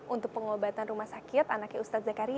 untuk pengobatan rumah sakit anaknya ustadz zakari